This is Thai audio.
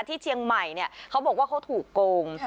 ที่เชียงใหม่เขาบอกว่าเขาถูกโกง